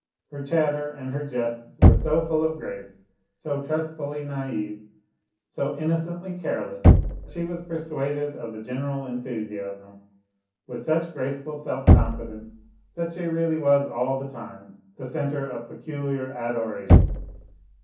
Her chattel and her jests were so full of grace, so trustfully naive, so innocently careless, she was persuaded of the general enthusiasm with such graceful self confidence that she really was all the time the centre of peculiar adoration.